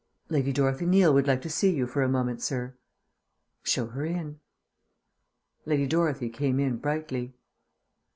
"Lady Dorothy Neal would like to see you for a moment, sir." "Show her in." Lady Dorothy came in brightly.